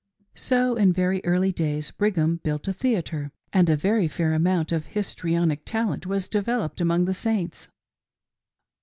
So in very early days Brigham built a theatre, and a very fair amount of histrionic talent was developed among the Saints.